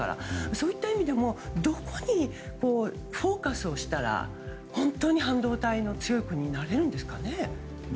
そういった意味でもどこにフォーカスをしたら本当に半導体の強い国になれるんですかね。